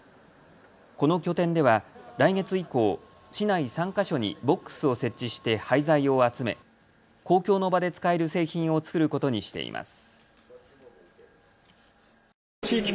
この拠点では来月以降、市内３か所にボックスを設置して廃材を集め、公共の場で使える製品を作ることにしています。